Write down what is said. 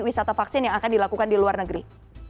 wisata vaksin yang akan dilakukan di luar negeri